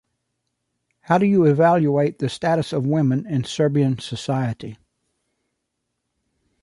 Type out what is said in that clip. How do you evaluate the status of women in Serbian society?